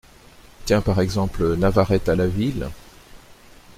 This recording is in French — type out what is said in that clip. Tiens, par exemple, Navarette, à la ville …